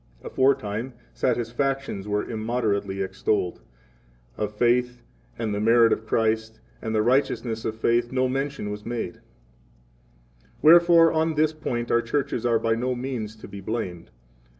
Aforetime satisfactions were immoderately extolled; 5 of faith and the merit of Christ and the righteousness of faith no mention was made; wherefore, on this point, our churches are by no means to be blamed.